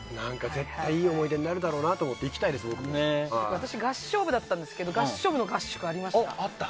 絶対いい思い出になるだろうなと思って私、合唱部だったんですけど合唱部の合宿ありました。